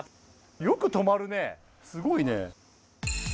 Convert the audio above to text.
よく止まるねすごいね。